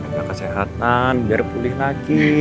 jaga kesehatan biar pulih lagi